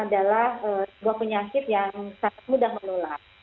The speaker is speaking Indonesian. ini adalah sebuah penyakit yang sangat mudah melolat